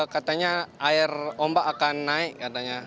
katanya air ombak akan naik katanya